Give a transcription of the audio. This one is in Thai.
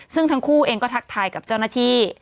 ซึ่งทั้งคู่เองก็ทักทายกับเจ้าหน้าที่